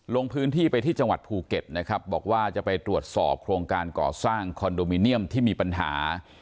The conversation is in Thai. ลงพื้นที่ไปที่จังหวัดภูเก็ตนะครับบอกว่าจะไปตรวจสอบโครงการก่อสร้างคอนโดมิเนียมที่มีปัญหา